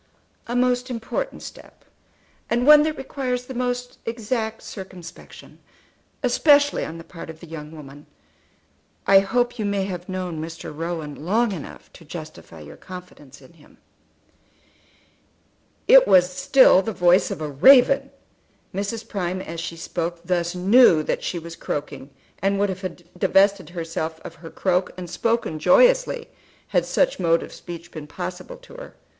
"A most important step, and one that requires the most exact circumspection, especially on the part of the young woman. I hope you may have known Mr. Rowan long enough to justify your confidence in him." It was still the voice of a raven! Mrs. Prime as she spoke thus knew that she was croaking, and would have divested herself of her croak and spoken joyously, had such mode of speech been possible to her.